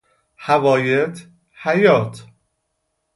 حوایط، حیاط